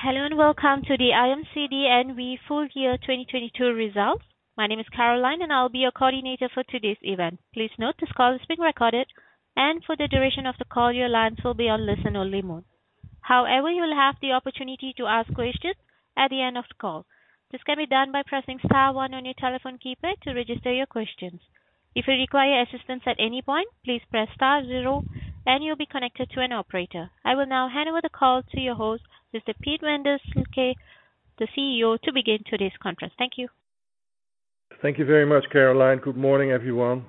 Hello and welcome to the IMCD N.V. full year 2022 results. My name is Caroline, and I'll be your coordinator for today's event. Please note this call is being recorded and for the duration of the call, your lines will be on listen-only mode. However, you'll have the opportunity to ask questions at the end of the call. This can be done by pressing star one on your telephone keypad to register your questions. If you require assistance at any point, please press star zero and you'll be connected to an operator. I will now hand over the call to your host, Mr. Piet van der Slikke, the CEO, to begin today's conference. Thank you. Thank you very much, Caroline. Good morning, everyone.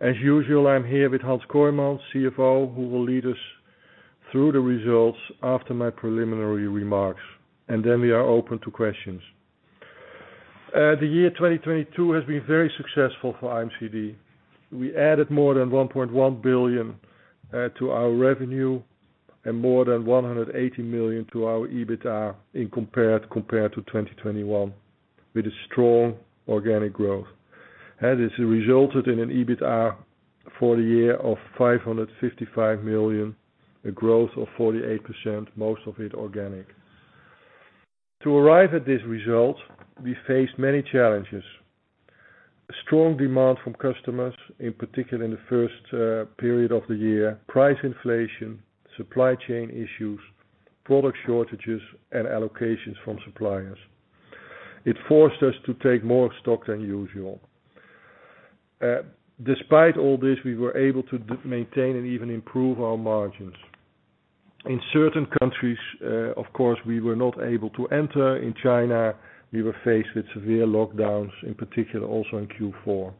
As usual, I'm here with Hans Kooijmans, CFO, who will lead us through the results after my preliminary remarks, and then we are open to questions. The year 2022 has been very successful for IMCD. We added more than 1.1 billion to our revenue and more than 180 million to our EBITDA compared to 2021 with a strong organic growth. As it's resulted in an EBITDA for the year of 555 million, a growth of 48%, most of it organic. To arrive at this result, we faced many challenges. Strong demand from customers, in particular in the first period of the year, price inflation, supply chain issues, product shortages, and allocations from suppliers. It forced us to take more stock than usual. Despite all this, we were able to maintain and even improve our margins. In certain countries, of course, we were not able to enter. In China, we were faced with severe lockdowns in particular, also in Q4.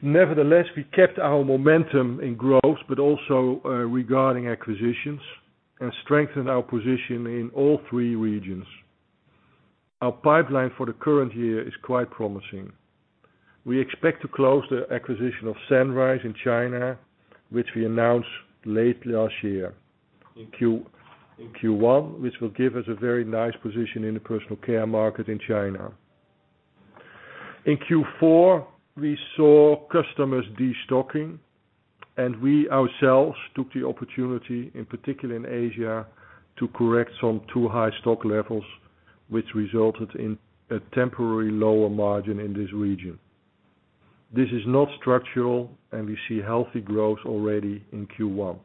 Nevertheless, we kept our momentum in growth, but also, regarding acquisitions and strengthened our position in all three regions. Our pipeline for the current year is quite promising. We expect to close the acquisition of Sunrise in China, which we announced late last year. In Q1, which will give us a very nice position in the personal care market in China. In Q4, we saw customers de-stocking, and we ourselves took the opportunity, in particular in Asia, to correct some too high stock levels, which resulted in a temporary lower margin in this region. This is not structural, and we see healthy growth already in Q1.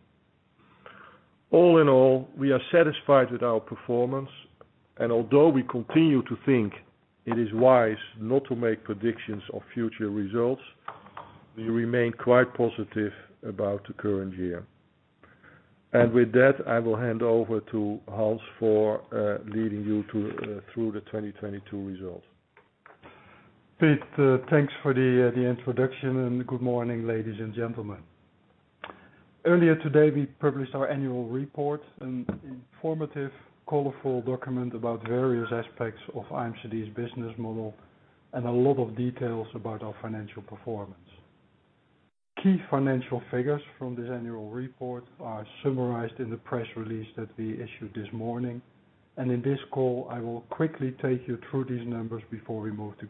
All in all, we are satisfied with our performance, and although we continue to think it is wise not to make predictions of future results, we remain quite positive about the current year. With that, I will hand over to Hans for leading you to through the 2022 results. Piet, thanks for the introduction, good morning, ladies and gentlemen. Earlier today, we published our annual report, an informative, colorful document about various aspects of IMCD's business model and a lot of details about our financial performance. Key financial figures from this annual report are summarized in the press release that we issued this morning. In this call, I will quickly take you through these numbers before we move to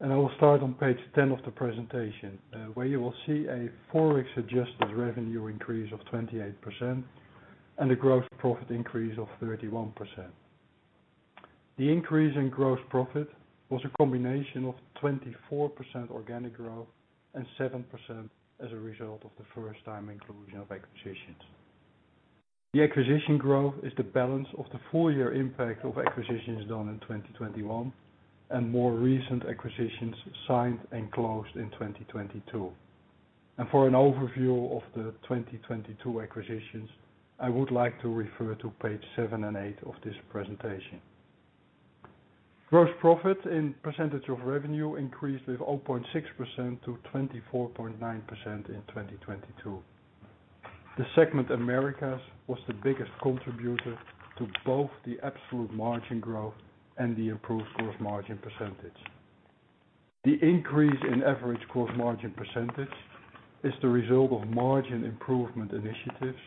Q&A. I will start on page 10 of the presentation, where you will see a FOREX-adjusted revenue increase of 28% and a gross profit increase of 31%. The increase in gross profit was a combination of 24% organic growth and 7% as a result of the first time inclusion of acquisitions. The acquisition growth is the balance of the full year impact of acquisitions done in 2021 and more recent acquisitions signed and closed in 2022. For an overview of the 2022 acquisitions, I would like to refer to page seven and eight of this presentation. Gross profit in percentage of revenue increased with 0.6% to 24.9% in 2022. The segment Americas was the biggest contributor to both the absolute margin growth and the improved gross margin percentage. The increase in average gross margin percentage is the result of margin improvement initiatives,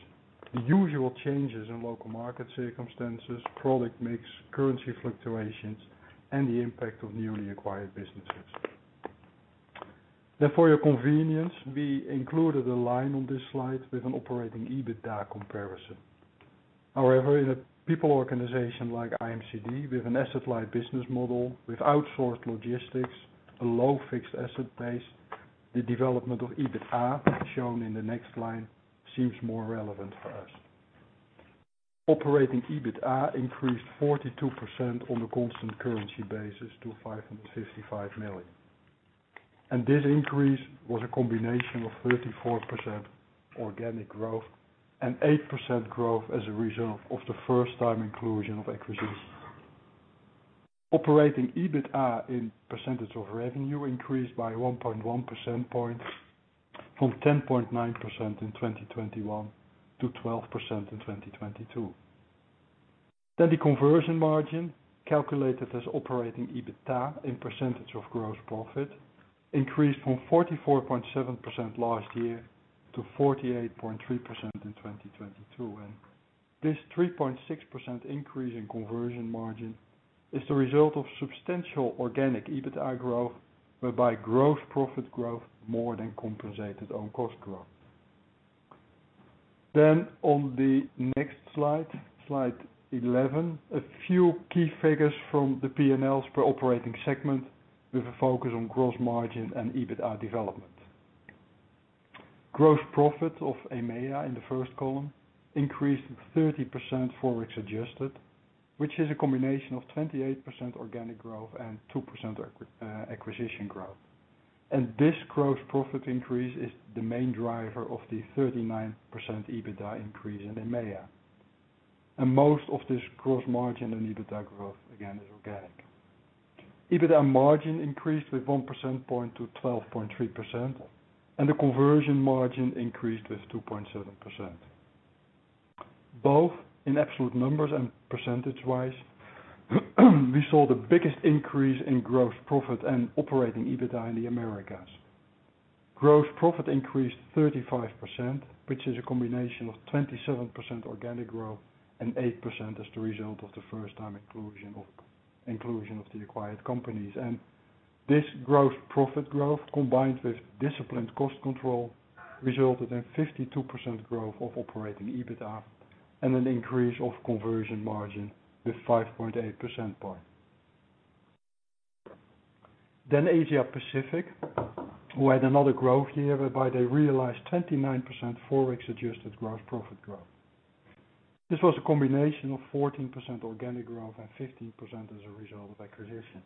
the usual changes in local market circumstances, product mix, currency fluctuations, and the impact of newly acquired businesses. For your convenience, we included a line on this slide with an operating EBITDA comparison. However, in a people organization like IMCD, with an asset light business model with outsourced logistics, a low fixed asset base, the development of EBITDA shown in the next line seems more relevant for us. Operating EBITDA increased 42% on a constant currency basis to 555 million. This increase was a combination of 34% organic growth and 8% growth as a result of the first time inclusion of acquisitions. Operating EBITDA in percentage of revenue increased by 1.1 percentage points from 10.9% in 2021 to 12% in 2022. The conversion margin, calculated as operating EBITDA in percentage of gross profit, increased from 44.7% last year to 48.3% in 2022. This 3.6% increase in conversion margin is the result of substantial organic EBITDA growth, whereby gross profit growth more than compensated own cost growth. On the next slide, Slide 11, a few key figures from the PNLs per operating segment with a focus on gross margin and EBITDA development. Gross profit of EMEA in the first column increased 30% FOREX adjusted, which is a combination of 28% organic growth and 2% acquisition growth. This gross profit increase is the main driver of the 39% EBITDA increase in EMEA. Most of this gross margin and EBITDA growth, again, is organic. EBITDA margin increased with one percentage point to 12.3%, and the conversion margin increased with 2.7%. Both in absolute numbers and percentage-wise, we saw the biggest increase in gross profit and operating EBITDA in the Americas. Gross profit increased 35%, which is a combination of 27% organic growth and 8% as the result of the first time inclusion of the acquired companies. This growth profit growth, combined with disciplined cost control, resulted in 52% growth of operating EBITDA and an increase of conversion margin with 5.8 percent point. Asia Pacific, who had another growth year whereby they realized 29% Forex adjusted gross profit growth. This was a combination of 14% organic growth and 15% as a result of acquisitions.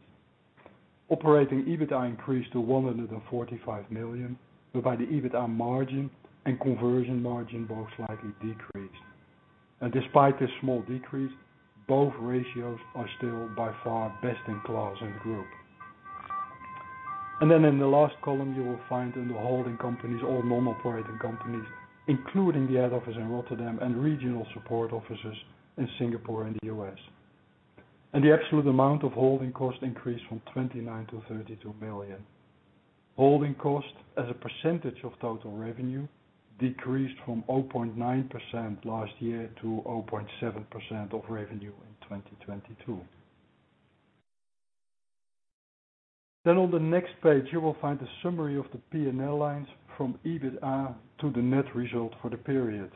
Operating EBITDA increased to 145 million, whereby the EBITDA margin and conversion margin both slightly decreased. Despite this small decrease, both ratios are still by far best in class in the group. In the last column, you will find in the holding companies or non-operating companies, including the head office in Rotterdam and regional support offices in Singapore and the U.S. The absolute amount of holding costs increased from 29 million-32 million. Holding cost as a percentage of total revenue decreased from 0.9% last year to 0.7% of revenue in 2022. On the next page, you will find a summary of the PNL lines from EBITDA to the net result for the period.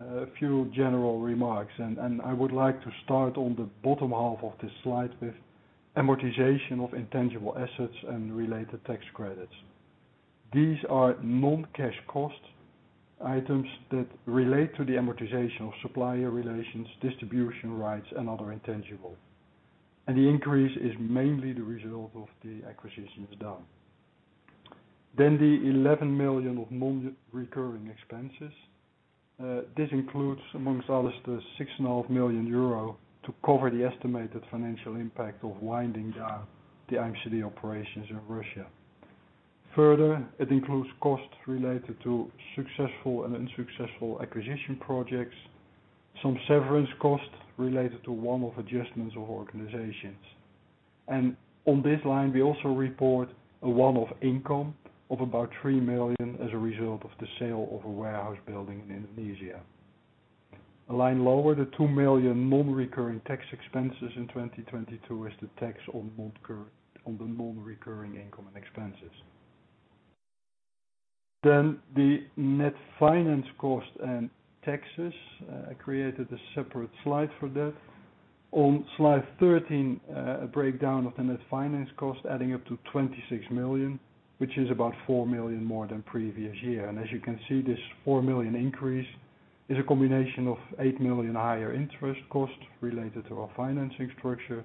A few general remarks, and I would like to start on the bottom half of this slide with amortization of intangible assets and related tax credits. These are non-cash cost items that relate to the amortization of supplier relations, distribution rights and other intangible. The increase is mainly the result of the acquisitions done. The 11 million of non-recurring expenses. This includes, amongst others, the six and a half million EUR to cover the estimated financial impact of winding down the IMCD operations in Russia. Further, it includes costs related to successful and unsuccessful acquisition projects, some severance costs related to one-off adjustments of organizations. On this line, we also report a one-off income of about 3 million as a result of the sale of a warehouse building in Indonesia. A line lower, the 2 million non-recurring tax expenses in 2022 is the tax on the non-recurring income and expenses. The net finance cost and taxes. I created a separate slide for that. On slide 13, a breakdown of the net finance cost adding up to 26 million, which is about 4 million more than previous year. As you can see, this 4 million increase is a combination of 8 million higher interest costs related to our financing structure.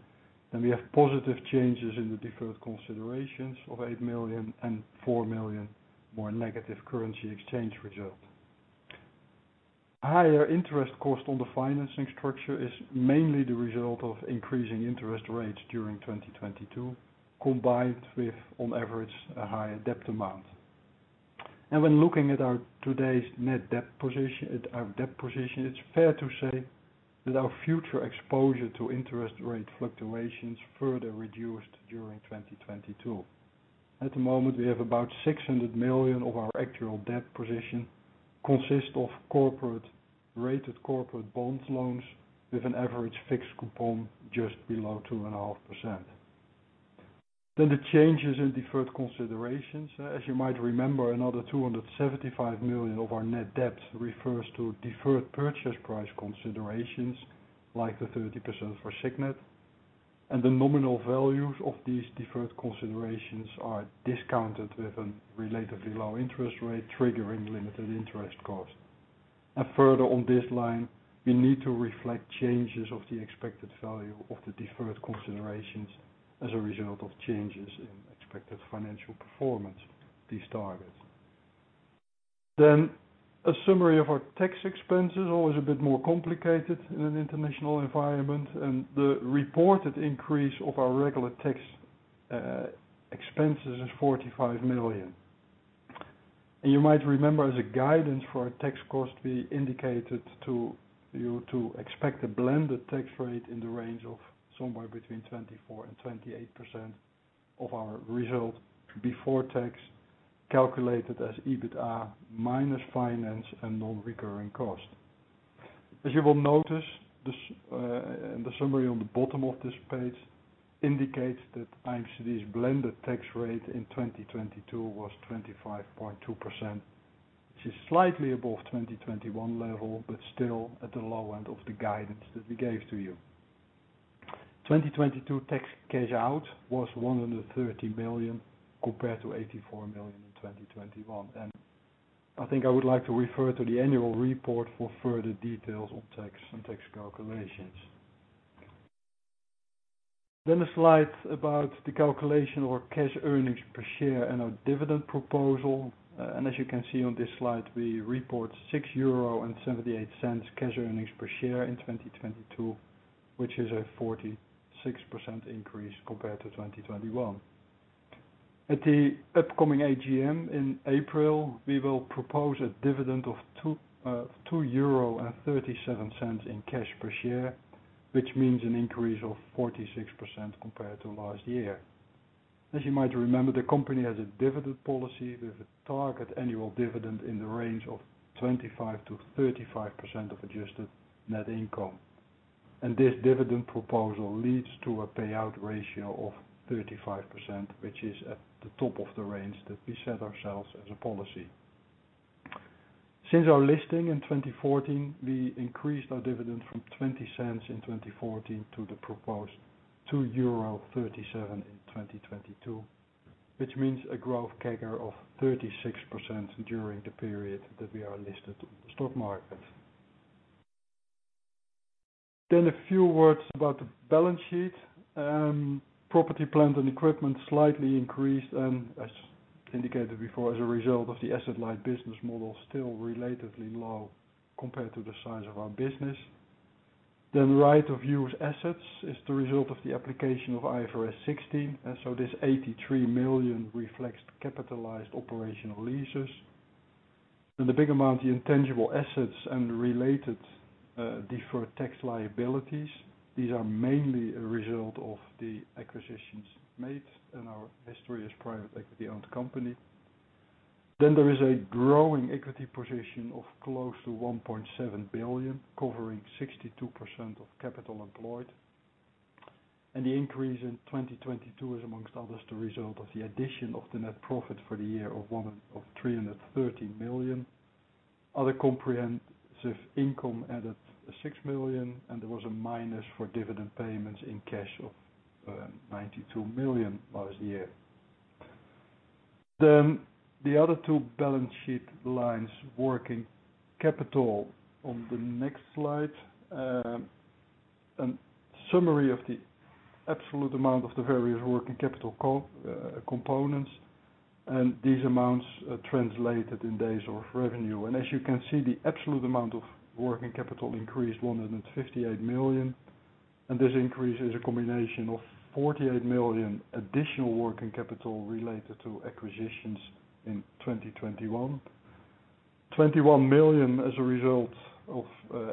We have positive changes in the deferred considerations of 8 million and 4 million more negative currency exchange result. Higher interest cost on the financing structure is mainly the result of increasing interest rates during 2022, combined with, on average, a higher debt amount. When looking at our debt position, it's fair to say that our future exposure to interest rate fluctuations further reduced during 2022. At the moment, we have about 600 million of our actual debt position consists of corporate rated corporate bond loans with an average fixed coupon just below 2.5%. The changes in deferred considerations. As you might remember, another 275 million of our net debt refers to deferred purchase price considerations, like the 30% for Signet. The nominal values of these deferred considerations are discounted with a relatively low interest rate, triggering limited interest costs. Further on this line, we need to reflect changes of the expected value of the deferred considerations as a result of changes in expected financial performance, these targets. A summary of our tax expenses, always a bit more complicated in an international environment. The reported increase of our regular tax expenses is 45 million. You might remember as a guidance for our tax cost, we indicated to you to expect a blended tax rate in the range of somewhere between 24% and 28% of our result before tax. Calculated as EBITDA minus finance and non-recurring cost. As you will notice, the summary on the bottom of this page indicates that IMCD's blended tax rate in 2022 was 25.2%, which is slightly above 2021 level, but still at the low end of the guidance that we gave to you. 2022 tax cash out was 130 million, compared to 84 million in 2021. I think I would like to refer to the annual report for further details on tax and tax calculations. A slide about the calculation of our cash earnings per share and our dividend proposal. As you can see on this slide, we report 6.78 euro cash earnings per share in 2022, which is a 46% increase compared to 2021. At the upcoming AGM in April, we will propose a dividend of 2.37 euro in cash per share, which means an increase of 46% compared to last year. As you might remember, the company has a dividend policy with a target annual dividend in the range of 25%-35% of adjusted net income. This dividend proposal leads to a payout ratio of 35%, which is at the top of the range that we set ourselves as a policy. Since our listing in 2014, we increased our dividend from 0.20 in 2014 to the proposed 2.37 euro in 2022, which means a growth CAGR of 36% during the period that we are listed on the stock market. A few words about the balance sheet. Property, plant, and equipment slightly increased, and as indicated before, as a result of the asset light business model, still relatively low compared to the size of our business. Right of use assets is the result of the application of IFRS 16, this 83 million reflects capitalized operational leases. The big amount, the intangible assets and related deferred tax liabilities. These are mainly a result of the acquisitions made in our history as private equity-owned company. There is a growing equity position of close to 1.7 billion, covering 62% of capital employed. The increase in 2022 is, amongst others, the result of the addition of the net profit for the year of 330 million. Other comprehensive income added 6 million, and there was a minus for dividend payments in cash of 92 million last year. The other two balance sheet lines, working capital on the next slide. Summary of the absolute amount of the various working capital components and these amounts translated in days of revenue. As you can see, the absolute amount of working capital increased 158 million. This increase is a combination of 48 million additional working capital related to acquisitions in 2021. 21 million as a result of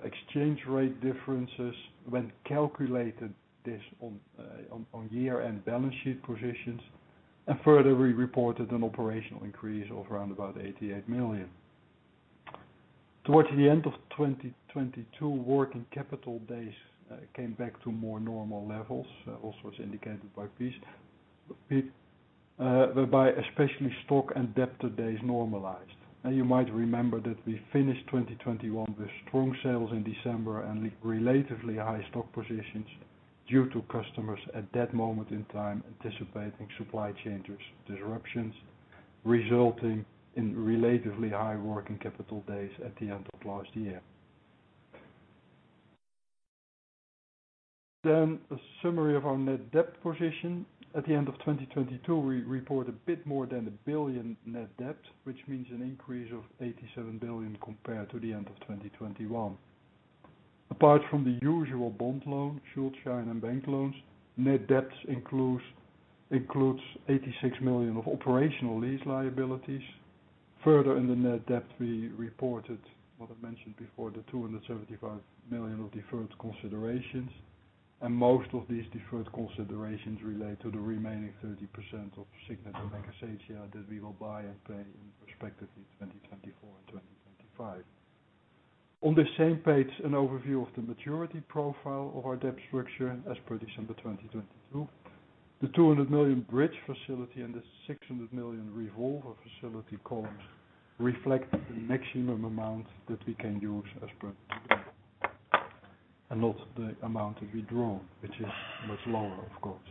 exchange rate differences when calculated this on year-end balance sheet positions. Further, we reported an operational increase of around about 88 million. Towards the end of 2022, working capital days came back to more normal levels. Also as indicated by Piet, whereby especially stock and debtor days normalized. You might remember that we finished 2021 with strong sales in December and relatively high stock positions due to customers at that moment in time anticipating supply chain disruptions, resulting in relatively high working capital days at the end of last year. A summary of our net debt position. At the end of 2022, we report a bit more than 1 billion net debt, which means an increase of 87 billion compared to the end of 2021. Apart from the usual bond loan, Schuldschein and bank loans, net debts includes 86 million of operational lease liabilities. Further in the net debt, we reported what I mentioned before, the 275 million of deferred considerations. Most of these deferred considerations relate to the remaining 30% of Signet America Asia that we will buy and pay in respectively 2024 and 2025. On this same page, an overview of the maturity profile of our debt structure as per December 2022. The 200 million bridge facility and the 600 million revolver facility columns reflect the maximum amount that we can use as per today. Not the amount that we draw, which is much lower, of course.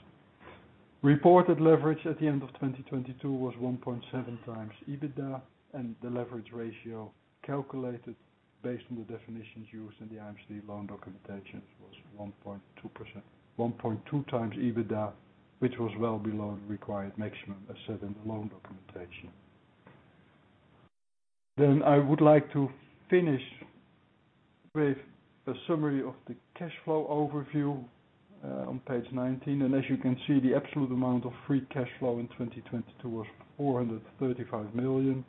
Reported leverage at the end of 2022 was 1.7x EBITDA, and the leverage ratio calculated based on the definitions used in the IMCD loan documentation was 1.2x EBITDA, which was well below the required maximum as set in the loan documentation. I would like to finish with a summary of the cash flow overview on page 19. As you can see, the absolute amount of free cash flow in 2022 was 435 million.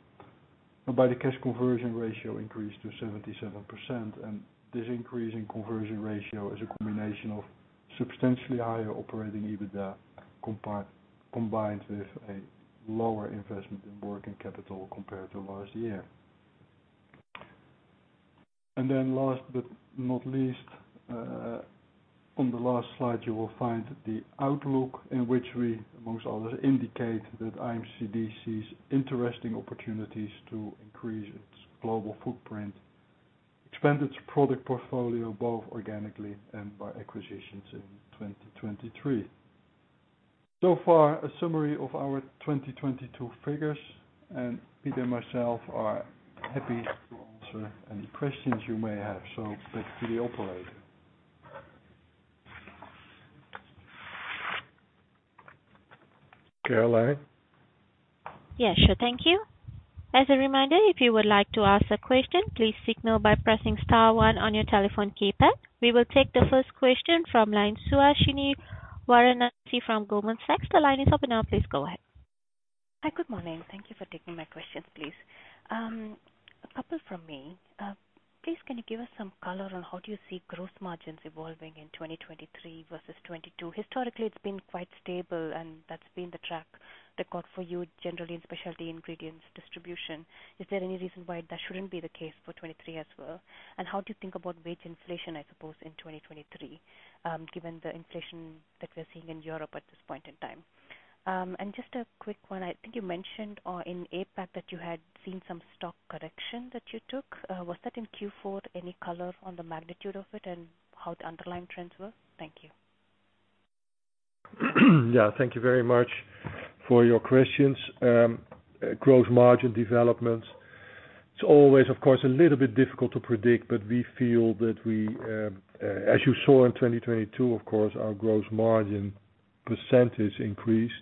The cash conversion ratio increased to 77%. This increase in conversion ratio is a combination of substantially higher operating EBITDA combined with a lower investment in working capital compared to last year. Last but not least, on the last slide, you will find the outlook in which we, amongst others, indicate that IMCD sees interesting opportunities to increase its global footprint, expand its product portfolio both organically and by acquisitions in 2023. A summary of our 2022 figures, and Piet and myself are happy to answer any questions you may have. Back to the operator. Caroline. Yeah, sure. Thank you. As a reminder, if you would like to ask a question, please signal by pressing star one on your telephone keypad. We will take the first question from line, Suhasini Varanasi from Goldman Sachs. The line is open now. Please go ahead. Hi. Good morning. Thank you for taking my questions, please. A couple from me. Please, can you give us some color on how do you see growth margins evolving in 2023 versus 2022. Historically, it's been quite stable, and that's been the track record for you generally in specialty ingredients distribution. Is there any reason why that shouldn't be the case for 23 as well? How do you think about wage inflation, I suppose, in 2023, given the inflation that we're seeing in Europe at this point in time? Just a quick one. I think you mentioned, in APAC that you had seen some stock correction that you took. Was that in Q4? Any color on the magnitude of it and how the underlying trends were? Thank you. Yeah. Thank you very much for your questions. Gross margin developments, it's always, of course, a little bit difficult to predict, but we feel that we, as you saw in 2022, of course, our gross margin % increased.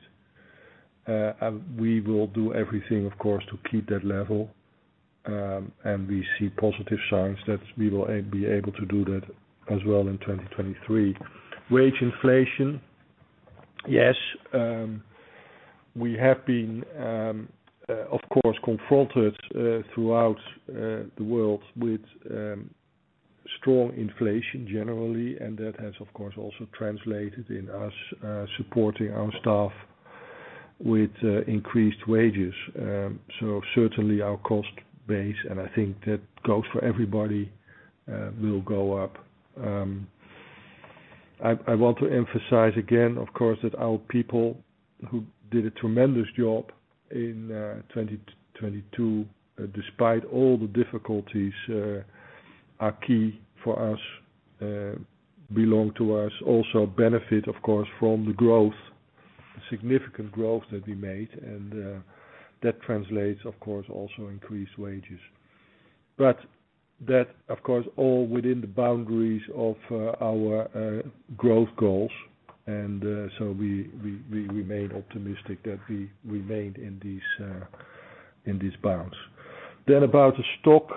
We will do everything, of course, to keep that level. We see positive signs that we will be able to do that as well in 2023. Wage inflation. Yes, we have been, of course, confronted, throughout, the world with, strong inflation generally, and that has, of course, also translated in us, supporting our staff with, increased wages. Certainly our cost base, and I think that goes for everybody, will go up. I want to emphasize again, of course, that our people, who did a tremendous job in 2022, despite all the difficulties, are key for us, belong to us, also benefit, of course, from the growth, significant growth that we made. That translates, of course, also increased wages. That, of course, all within the boundaries of our growth goals. We remain optimistic that we remain in these in these bounds. About the stock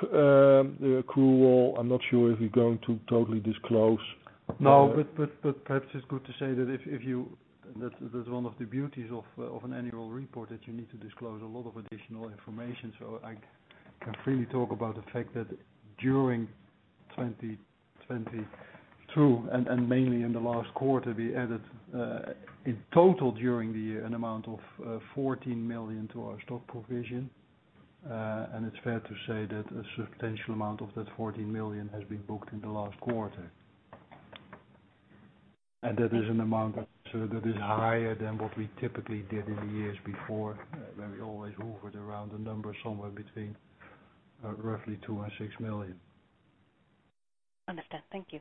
accrual. I'm not sure if we're going to totally disclose. Perhaps it's good to say that's one of the beauties of an annual report, that you need to disclose a lot of additional information. I can freely talk about the fact that during 2022 and mainly in the last quarter, we added in total during the year, an amount of 14 million to our stock provision. It's fair to say that a substantial amount of that 14 million has been booked in the last quarter. That is an amount that is higher than what we typically did in the years before, where we always hovered around a number somewhere between roughly 2 million and 6 million. Understand. Thank you.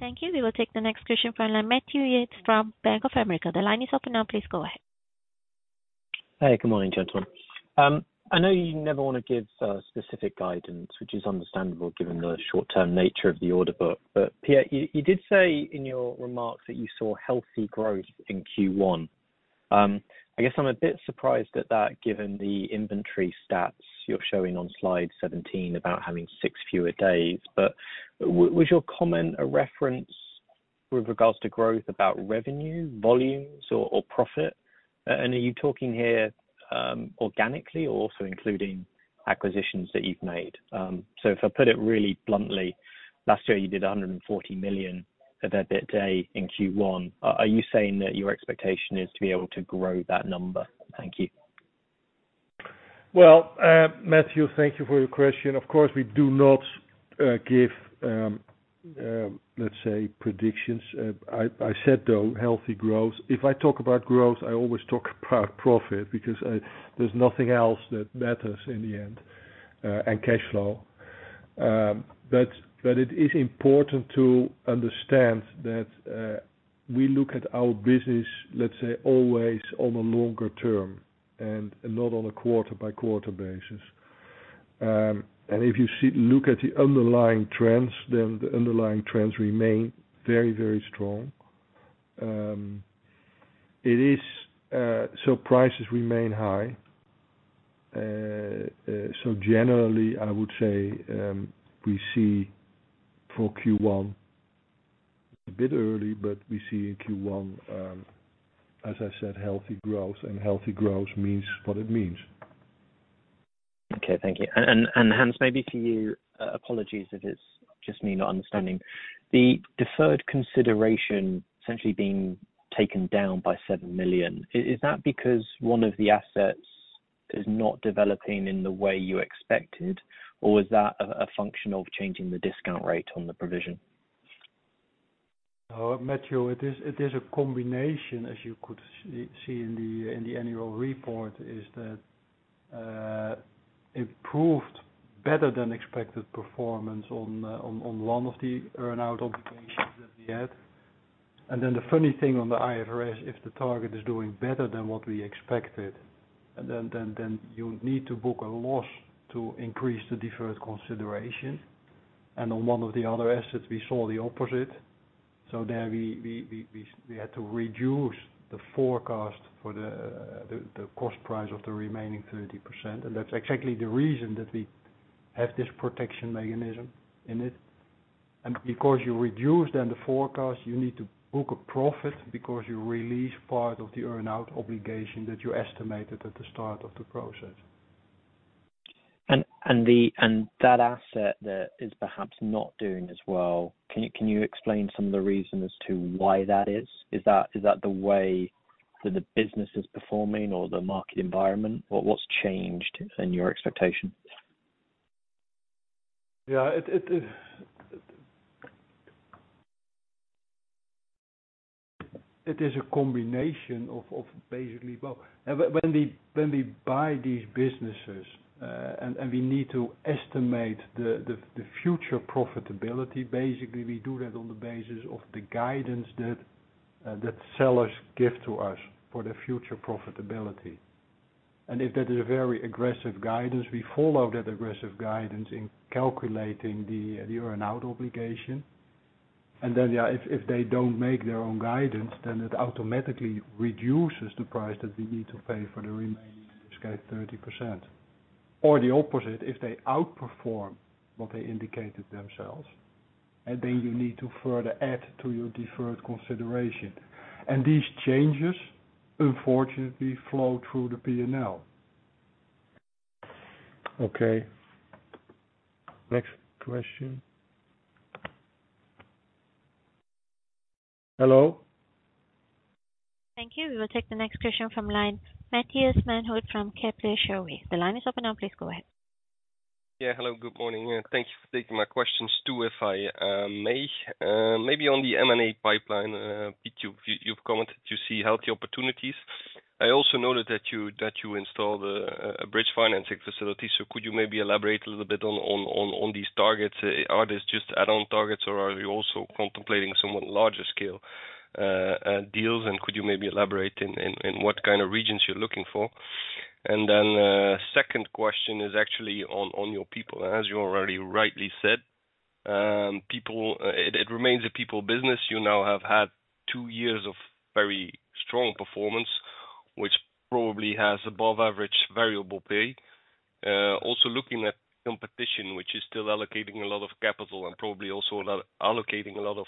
Thank you. We will take the next question from Matthew Yates from Bank of America. The line is open now. Please go ahead. Hey, good morning, gentlemen. I know you never wanna give specific guidance, which is understandable given the short-term nature of the order book. Piet, you did say in your remarks that you saw healthy growth in Q1. I guess I'm a bit surprised at that, given the inventory stats you're showing on slide 17 about having six fewer days. Was your comment a reference with regards to growth about revenue, volumes or profit? Are you talking here organically or also including acquisitions that you've made? If I put it really bluntly, last year you did 140 million of EBITDA in Q1. Are you saying that your expectation is to be able to grow that number? Thank you. Well, Matthew, thank you for your question. Of course, we do not give, let's say predictions. I said, though, healthy growth. If I talk about growth, I always talk about profit because there's nothing else that matters in the end, and cash flow. It is important to understand that we look at our business, let's say, always on a longer term and not on a quarter-by-quarter basis. If you look at the underlying trends, then the underlying trends remain very, very strong. It is, prices remain high. Generally I would say, we see for Q1 a bit early, but we see in Q1, as I said, healthy growth, and healthy growth means what it means. Okay, thank you. Hans, maybe to you, apologies if it's just me not understanding. The deferred consideration essentially being taken down by 7 million, is that because one of the assets is not developing in the way you expected, or is that a function of changing the discount rate on the provision? Matthew, it is a combination, as you could see in the annual report, is that improved better than expected performance on one of the earn out obligations that we had. The funny thing on the IFRS, if the target is doing better than what we expected, then you need to book a loss to increase the deferred consideration. On one of the other assets we saw the opposite. There we had to reduce the forecast for the cost price of the remaining 30%. That's exactly the reason that we have this protection mechanism in it. Because you reduce then the forecast, you need to book a profit because you release part of the earn out obligation that you estimated at the start of the process. That asset that is perhaps not doing as well, can you explain some of the reason as to why that is? Is that the way that the business is performing or the market environment? What's changed in your expectation? Yeah. It is a combination of basically both. When we buy these businesses, and we need to estimate the future profitability. Basically, we do that on the basis of the guidance that sellers give to us for the future profitability. If that is a very aggressive guidance, we follow that aggressive guidance in calculating the earn out obligation. Then, yeah, if they don't make their own guidance, then it automatically reduces the price that we need to pay for the remaining, in this case, 30%. The opposite, if they outperform what they indicated themselves, then you need to further add to your deferred consideration. These changes unfortunately flow through the P&L. Okay. Next question. Hello? Thank you. We will take the next question from line. Matthias Maenhaut from Kepler Cheuvreux. The line is open now. Please go ahead. Hello, good morning, and thank you for taking my questions too, if I may. Maybe on the M&A pipeline, you've commented you see healthy opportunities. I also noted that you installed a bridge financing facility, could you maybe elaborate a little bit on these targets? Are these just add-on targets or are you also contemplating somewhat larger scale deals? Could you maybe elaborate in what kind of regions you're looking for? Second question is actually on your people. As you already rightly said, people, it remains a people business. You now have had two years of very strong performance, which probably has above average variable pay. Also looking at competition, which is still allocating a lot of capital and probably also a lot...allocating a lot of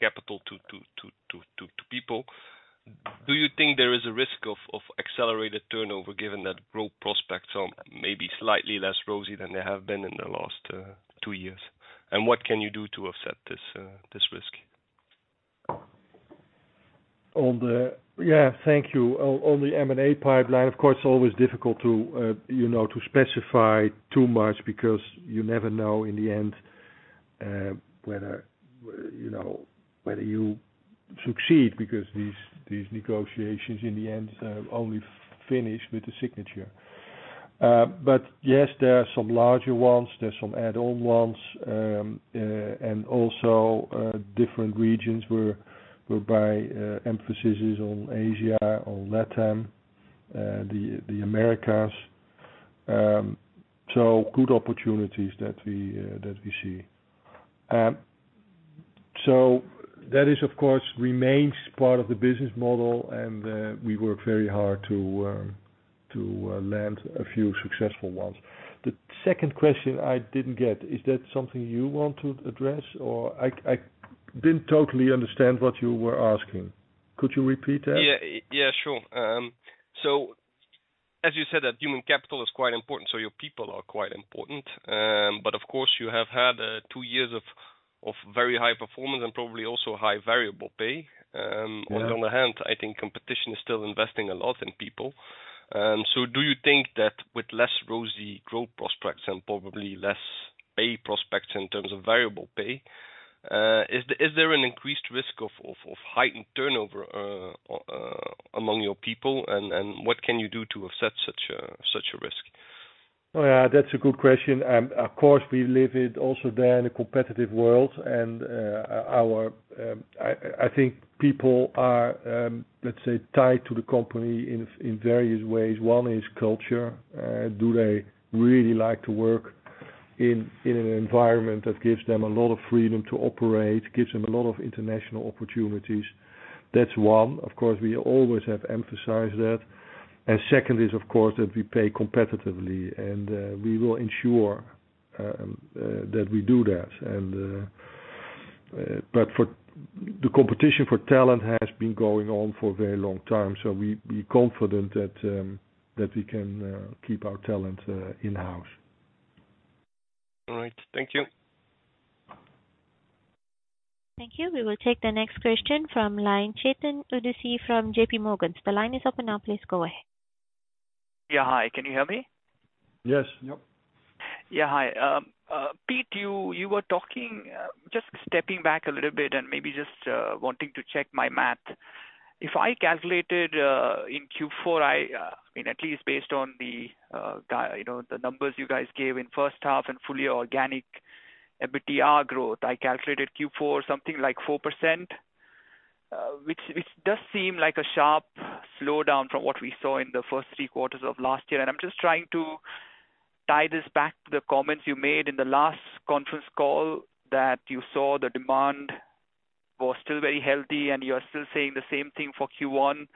capital to people. Do you think there is a risk of accelerated turnover given that growth prospects are maybe slightly less rosy than they have been in the last two years? What can you do to offset this risk? On the... Yeah. Thank you. On the M&A pipeline, of course, always difficult to, you know, to specify too much because you never know in the end, whether, you know, whether you succeed because these negotiations in the end, only finish with the signature. Yes, there are some larger ones, there's some add-on ones. Also, different regions where, whereby, emphasis is on Asia or Latam, the Americas. Good opportunities that we see. That is, of course, remains part of the business model and we work very hard to land a few successful ones. The second question I didn't get, is that something you want to address? I didn't totally understand what you were asking. Could you repeat that? Yeah. Yeah, sure. As you said that human capital is quite important, so your people are quite important. Of course, you have had two years of very high performance and probably also high variable pay. Yeah. On the other hand, I think competition is still investing a lot in people. Do you think that with less rosy growth prospects and probably less pay prospects in terms of variable pay, is there an increased risk of heightened turnover among your people and what can you do to offset such a risk? Well, yeah, that's a good question. Of course, we live it also there in a competitive world and our... I think people are, let's say, tied to the company in various ways. One is culture. Do they really like to work in an environment that gives them a lot of freedom to operate, gives them a lot of international opportunities? That's one. Of course, we always have emphasized that. Second is, of course, that we pay competitively, and we will ensure that we do that and The competition for talent has been going on for a very long time, so we confident that we can keep our talent in-house. All right, thank you. Thank you. We will take the next question from line, Chetan Udeshi from JPMorgan. The line is open now. Please go ahead. Yeah. Hi. Can you hear me? Yes. Yep. Yeah. Hi. Piet, you were talking, just stepping back a little bit and maybe just wanting to check my math. If I calculated in Q4, I mean, at least based on the guy, you know, the numbers you guys gave in first half and fully organic EBITDA growth, I calculated Q4 something like 4%, which does seem like a sharp slowdown from what we saw in the first three quarters of last year. I'm just trying to tie this back to the comments you made in the last conference call that you saw the demand was still very healthy and you're still saying the same thing for Q1.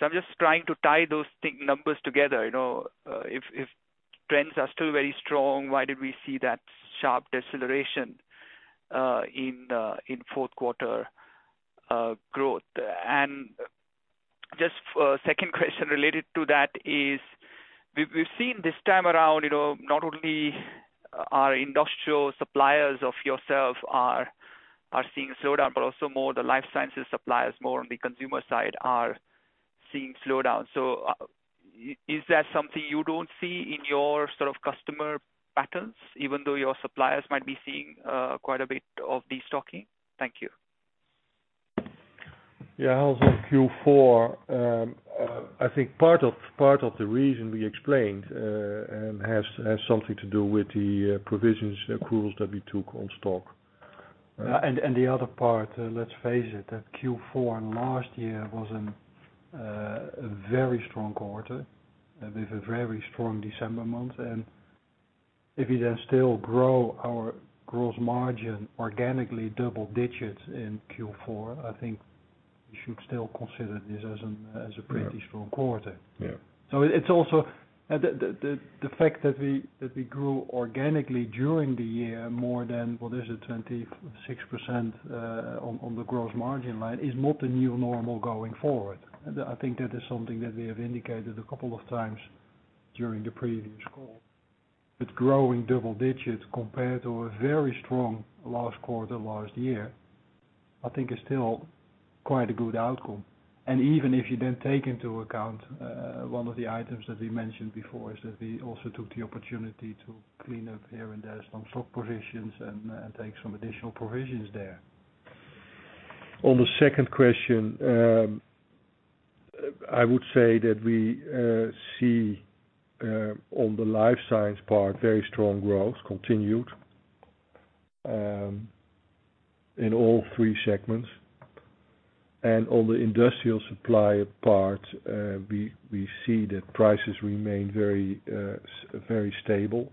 I'm just trying to tie those numbers together, you know. If trends are still very strong, why did we see that sharp deceleration in fourth quarter growth? Just 2nd question related to that is we've seen this time around, you know, not only our industrial suppliers of yourself are seeing slowdown, but also more the life sciences suppliers, more on the consumer side are seeing slowdown. Is that something you don't see in your sort of customer patterns, even though your suppliers might be seeing quite a bit of destocking? Thank you. Yeah. How's Q4? I think part of the reason we explained, and has something to do with the provisions accruals that we took on stock. Yeah. The other part, let's face it, that Q4 last year was a very strong quarter with a very strong December month. If you then still grow our gross margin organically double digits in Q4, I think you should still consider this as a pretty strong quarter. Yeah. It's also the fact that we, that we grew organically during the year more than, what is it, 26% on the gross margin line is not the new normal going forward. I think that is something that we have indicated a couple of times during the previous call. Growing double digits compared to a very strong last quarter, last year, I think is still quite a good outcome. Even if you didn't take into account, one of the items that we mentioned before is that we also took the opportunity to clean up here and there some stock provisions and take some additional provisions there. On the second question, I would say that we see on the life science part, very strong growth continued in all three segments. On the industrial supply part, we see that prices remain very stable.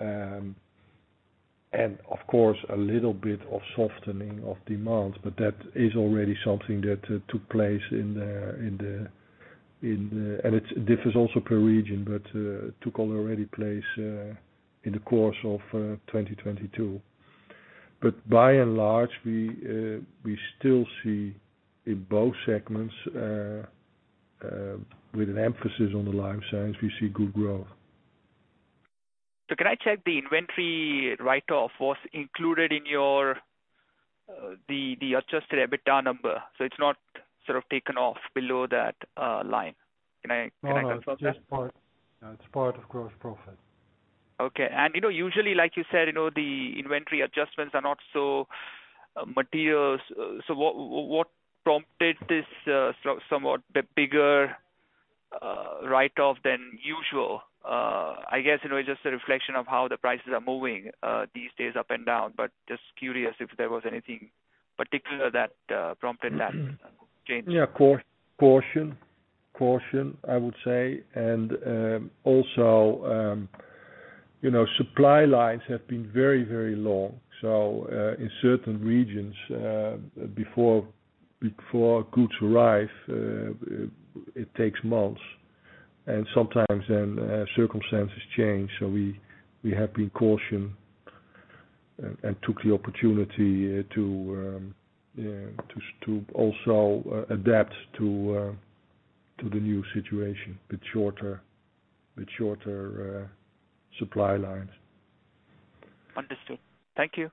Of course, a little bit of softening of demands, but that is already something that took place in the... This is also per region, but took already place in the course of 2022. By and large, we still see in both segments, with an emphasis on the life science, we see good growth. Can I check the inventory write-off was included in your the adjusted EBITDA number? It's not sort of taken off below that line. Can I confirm that? No, no. It's part of gross profit. Okay. You know, usually, like you said, you know, the inventory adjustments are not so materials. What prompted this somewhat the bigger write-off than usual? I guess, you know, it's just a reflection of how the prices are moving these days up and down, but just curious if there was anything particular that prompted that change. Yeah. Caution, I would say. Also, you know, supply lines have been very, very long. In certain regions, before goods arrive, it takes months. Sometimes circumstances change, we have been caution and took the opportunity to also adapt to the new situation with shorter supply lines. Understood. Thank you.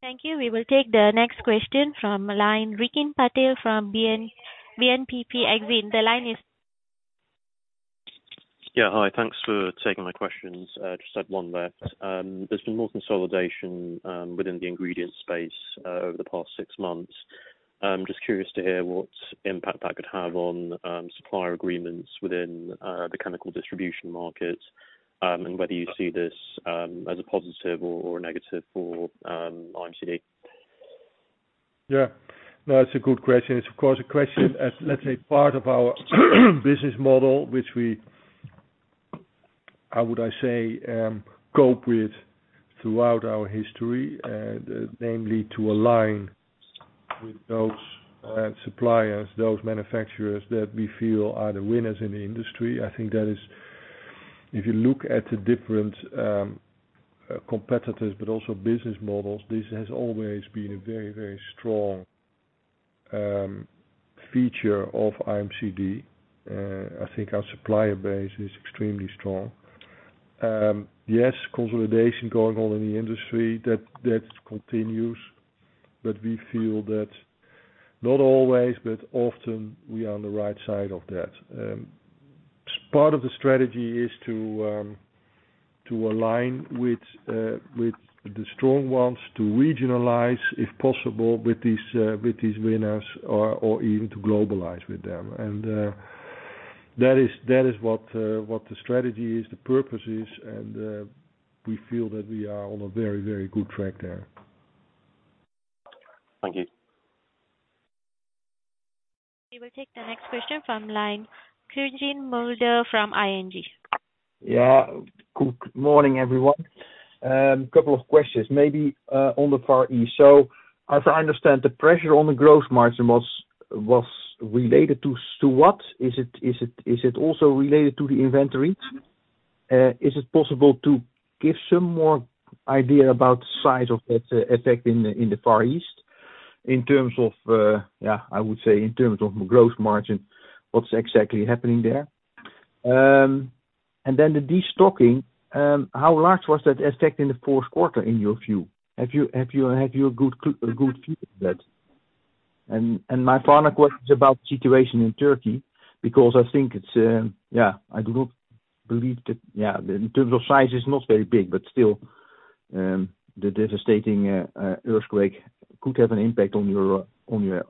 Thank you. We will take the next question from line, Rikin Patel from BNPP Exane. The line is... Yeah, hi. Thanks for taking my questions. Just had one left. There's been more consolidation within the ingredient space over the past six months. I'm just curious to hear what impact that could have on supplier agreements within the chemical distribution market, and whether you see this as a positive or a negative for IMCD. Yeah. No, it's a good question. It's of course, a question at, let's say, part of our business model, How would I say, cope with throughout our history, namely to align with those suppliers, those manufacturers that we feel are the winners in the industry. I think that is if you look at the different competitors, also business models, this has always been a very, very strong feature of IMCD. I think our supplier base is extremely strong. Yes, consolidation going on in the industry, that continues. We feel that not always, but often we are on the right side of that. Part of the strategy is to align with the strong ones, to regionalize if possible, with these winners or even to globalize with them. That is what the strategy is, the purpose is, and we feel that we are on a very, very good track there. Thank you. We will take the next question from line, Quirijn Mulder from ING. Yeah. Good morning, everyone. Couple of questions maybe on the Far East. As I understand, the pressure on the growth margin was related to what? Is it also related to the inventory? Is it possible to give some more idea about the size of that effect in the Far East in terms of, yeah, I would say in terms of growth margin, what's exactly happening there? The destocking, how large was that effect in the fourth quarter in your view? Have you a good feel for that? My final question is about the situation in Turkey, because I do not believe that in terms of size is not very big, but still, the devastating earthquake could have an impact on your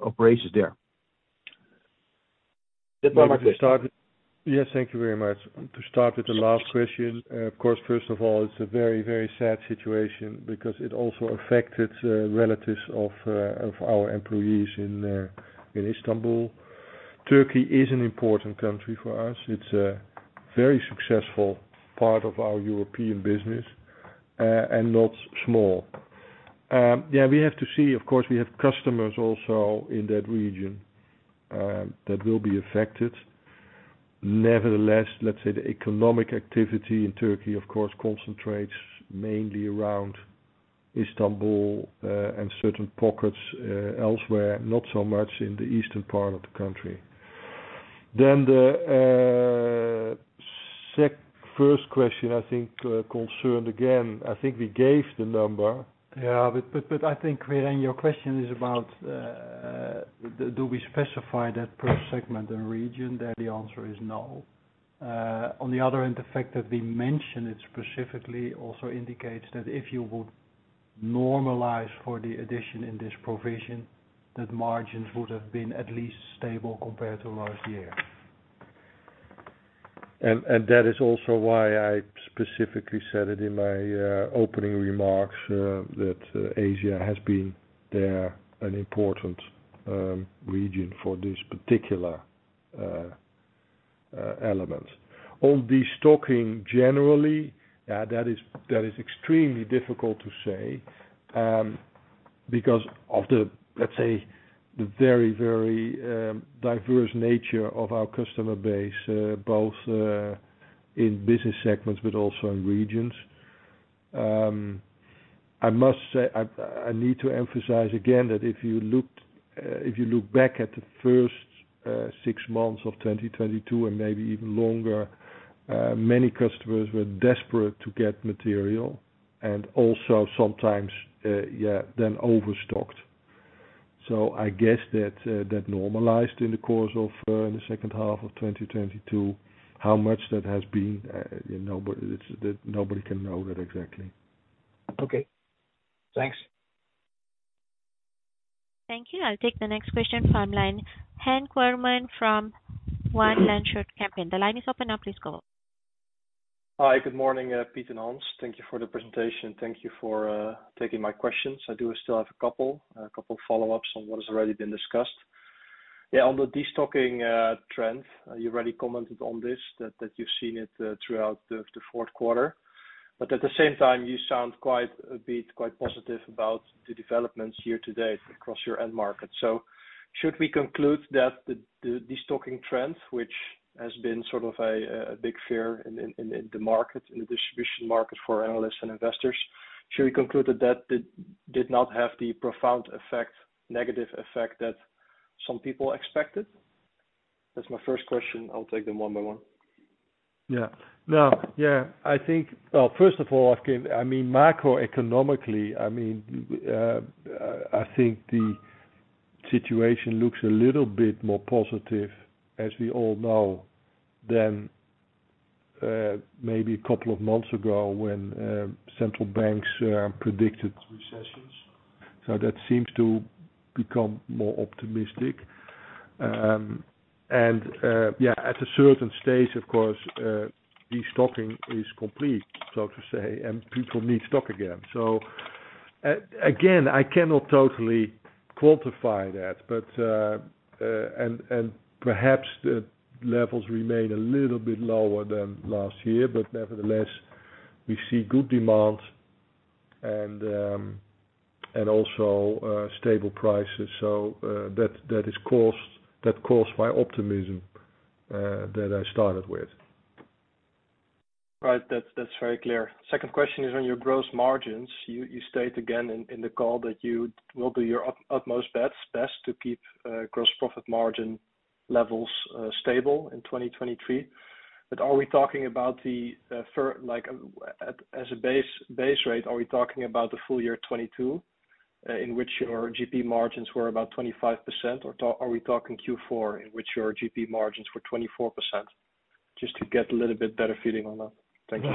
operations there. That's my question. Yes, thank you very much. To start with the last question, of course, first of all, it's a very, very sad situation because it also affected relatives of our employees in Istanbul. Turkey is an important country for us. It's a very successful part of our European business and not small. Yeah, we have to see, of course, we have customers also in that region that will be affected. Nevertheless, let's say the economic activity in Turkey of course concentrates mainly around Istanbul and certain pockets elsewhere, not so much in the eastern part of the country. The first question, I think, concerned again, I think we gave the number. Yeah, but I think, Quirijn, your question is about do we specify that per segment and region? There, the answer is no. On the other hand, the fact that we mention it specifically also indicates that if you would normalize for the addition in this provision, that margins would have been at least stable compared to last year. That is also why I specifically said it in my opening remarks, that Asia has been there an important region for this particular element. On destocking generally, that is extremely difficult to say because of the, let's say, the very diverse nature of our customer base, both in business segments but also in regions. I must say, I need to emphasize again that if you looked, if you look back at the first six months of 2022 and maybe even longer, many customers were desperate to get material and also sometimes, yeah, then overstocked. I guess that normalized in the course of in the second half of 2022, how much that has been, nobody can know that exactly. Okay. Thanks. Thank you. I'll take the next question from line, Eric Wilmer from Van Lanschot Kempen. The line is open now, please go. Hi. Good morning, Pete and Hans. Thank you for the presentation. Thank you for taking my questions. I do still have a couple of follow-ups on what has already been discussed. On the destocking trend, you already commented on this, that you've seen it throughout the fourth quarter. At the same time you sound quite positive about the developments year to date across your end market. Should we conclude that the destocking trend, which has been sort of a big fear in the market, in the distribution market for analysts and investors. Should we conclude that did not have the profound effect, negative effect that some people expected? That's my first question. I'll take them one by one. Yeah. No, yeah, I think, well, first of all, I think, I mean, macroeconomically, I mean, I think the situation looks a little bit more positive, as we all know, than maybe a couple of months ago when central banks predicted recessions. That seems to become more optimistic. Yeah, at a certain stage, of course, destocking is complete, so to say, and people need stock again. Again, I cannot totally quantify that, but, and perhaps the levels remain a little bit lower than last year. Nevertheless, we see good demand and also stable prices. That caused my optimism that I started with. Right. That's very clear. Second question is on your gross margins. You state again in the call that you will do your up-utmost best to keep gross profit margin levels stable in 2023. are we talking about the for like as a base rate, are we talking about the full year 2022 in which your GP margins were about 25%? are we talking Q4, in which your GP margins were 24%? Just to get a little bit better feeling on that. Thank you.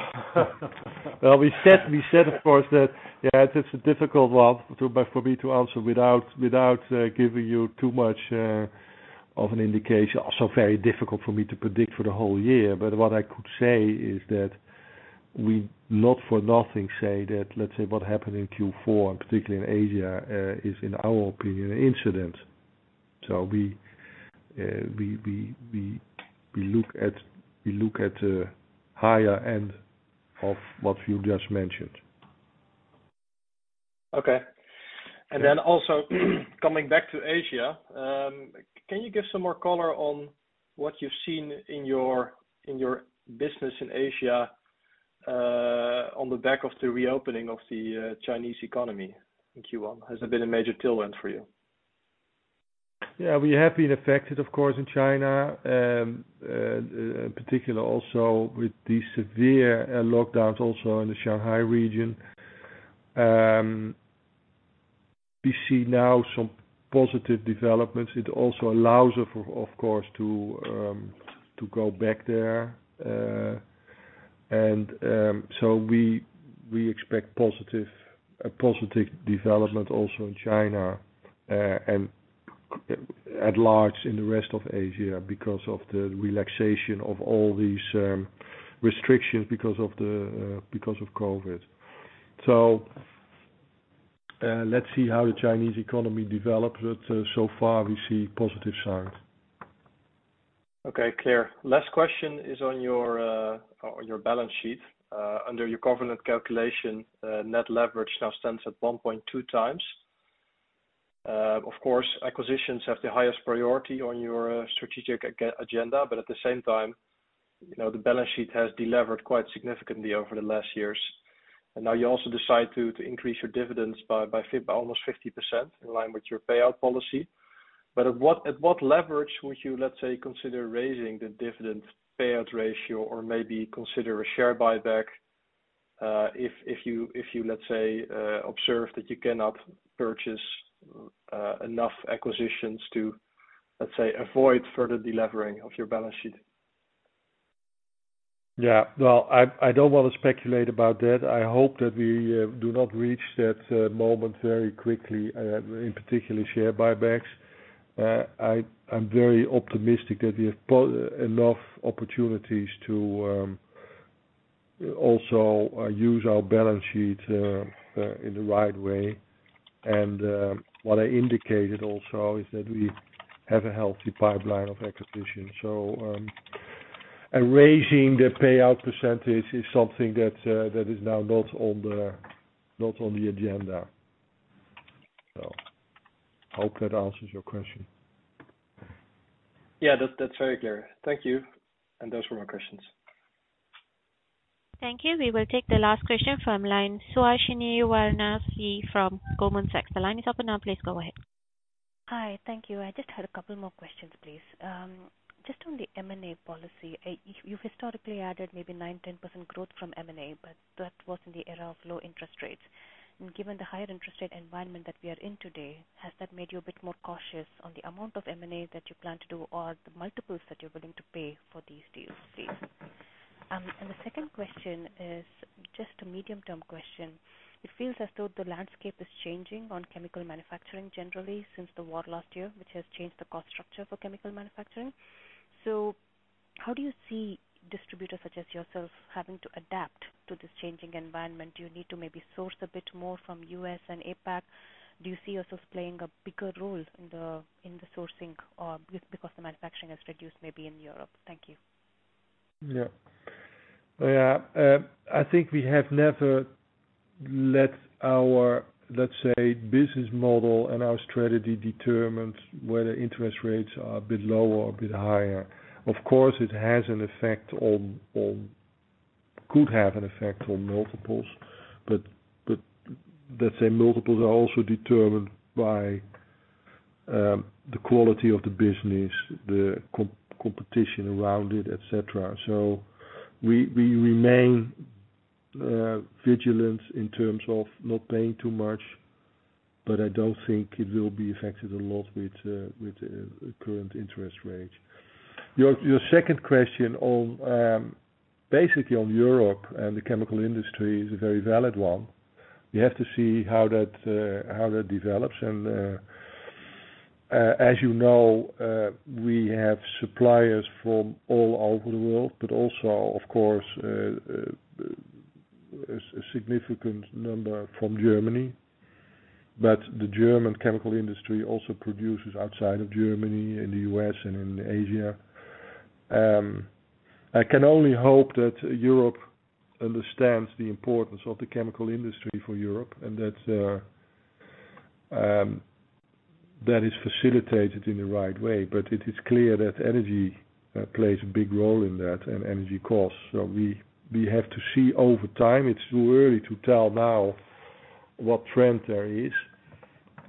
Well, we said of course that, yeah, it's a difficult one for me to answer without giving you too much of an indication. Also very difficult for me to predict for the whole year. What I could say is that we not for nothing say that, let's say what happened in Q4, and particularly in Asia, is, in our opinion, an incident. We look at, we look at higher end of what you just mentioned. Okay. Also coming back to Asia, can you give some more color on what you've seen in your, in your business in Asia, on the back of the reopening of the Chinese economy in Q1? Has there been a major tailwind for you? Yeah, we have been affected, of course, in China. In particular also with the severe lockdowns also in the Shanghai region. We see now some positive developments. It also allows us, of course, to go back there. We expect a positive development also in China and at large in the rest of Asia because of the relaxation of all these restrictions because of COVID. Let's see how the Chinese economy develops, but so far we see positive signs. Okay, clear. Last question is on your on your balance sheet. Under your covenant calculation, net leverage now stands at 1.2x. Of course, acquisitions have the highest priority on your strategic agenda, but at the same time, you know, the balance sheet has delevered quite significantly over the last years. Now you also decide to increase your dividends by almost 50% in line with your payout policy. At what leverage would you, let's say, consider raising the dividend payout ratio or maybe consider a share buyback, if you, let's say, observe that you cannot purchase enough acquisitions to, let's say, avoid further delevering of your balance sheet? Yeah. Well, I don't wanna speculate about that. I hope that we do not reach that moment very quickly, in particular share buybacks. I'm very optimistic that we have enough opportunities to also use our balance sheet in the right way. What I indicated also is that we have a healthy pipeline of acquisitions. And raising the payout percentage is something that is now not on the agenda. Hope that answers your question. Yeah, that's very clear. Thank you. Those were my questions. Thank you. We will take the last question from line Suhasini Varanasi from Goldman Sachs. The line is open now. Please go ahead. Hi. Thank you. I just had a couple more questions, please. Just on the M&A policy. You've historically added maybe 9%, 10% growth from M&A, but that was in the era of low interest rates. Given the higher interest rate environment that we are in today, has that made you a bit more cautious on the amount of M&A that you plan to do or the multiples that you're willing to pay for these deals please? The second question is just a medium-term question. It feels as though the landscape is changing on chemical manufacturing generally since the war last year, which has changed the cost structure for chemical manufacturing. How do you see distributors such as yourself having to adapt to this changing environment? Do you need to maybe source a bit more from U.S. and APAC? Do you see yourself playing a bigger role in the, in the sourcing or because the manufacturing has reduced maybe in Europe? Thank you. yeah. I think we have never let our, let's say, business model and our strategy determines whether interest rates are a bit lower or a bit higher. Of course, it has an effect on... could have an effect on multiples. Let's say multiples are also determined by the quality of the business, the competition around it, etc. We remain vigilant in terms of not paying too much, but I don't think it will be affected a lot with current interest rates. Your second question on basically on Europe and the chemical industry is a very valid one. We have to see how that develops. As you know, we have suppliers from all over the world, but also of course, a significant number from Germany. The German chemical industry also produces outside of Germany, in the U.S. and in Asia. I can only hope that Europe understands the importance of the chemical industry for Europe, and that that is facilitated in the right way. It is clear that energy plays a big role in that, and energy costs. We have to see over time. It's too early to tell now what trend there is.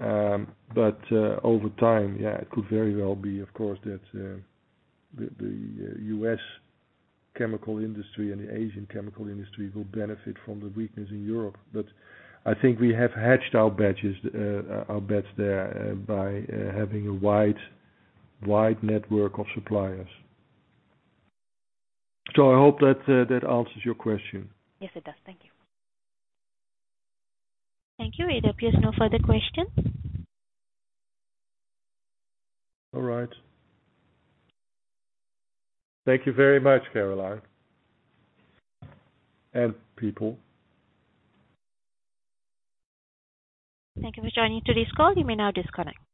Over time, yeah, it could very well be, of course, that the U.S. chemical industry and the Asian chemical industry will benefit from the weakness in Europe. I think we have hedged our batches, our bets there by having a wide network of suppliers. I hope that that answers your question. Yes, it does. Thank you. Thank you. It appears no further questions. All right. Thank you very much, Caroline, and people. Thank you for joining today's call. You may now disconnect.